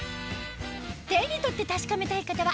手に取って確かめたい方は